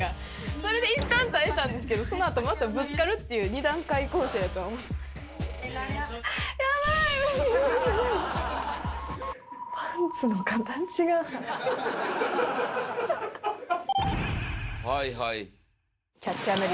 それでいったん耐えたんですけど、そのあと、またぶつかるっていう、やばい、無理無理無理。